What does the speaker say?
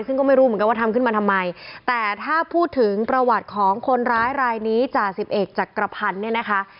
ซึ่งก็ไม่รู้เหมือนกันว่าทำขึ้นมาทำไมแต่ถ้าพูดถึงประวัติของคนร้ายรายนี้จ่าสิบเอกจักรพันธ์เนี่ยนะคะ